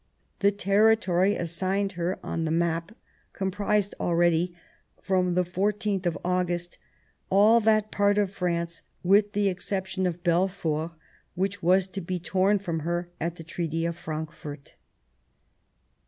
The territory assigned her on the map comprised already — from the 14th of August — all that part of France, with the exception of Belfort, which was to be torn from her by the Treaty of Frankfort.